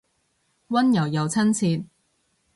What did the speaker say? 溫柔又親切